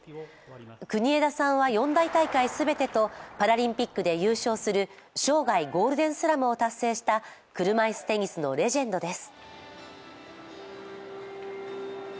国枝さんは、四大大会全てとパリオリンピックで優勝する生涯ゴールデンスラムを達成した、車いすテニスのレジェンドです。